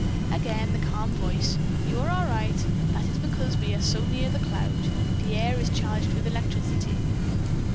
Again the calm voice: "You are all right. That is because we are so near the cloud. The air is charged with electricity."